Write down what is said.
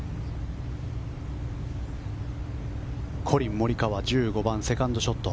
コリン・モリカワ、１５番セカンドショット。